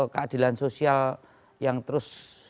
keadilan sosial yang terus